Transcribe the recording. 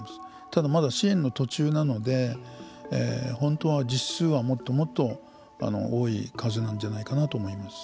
ただ、まだ支援の途中なので本当は実数はもっともっと多い数なんじゃないかなと思います。